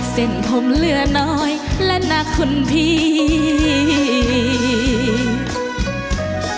เส้นผมเลือกใจจะวายแทะหมดความหมายของชายธาตุรี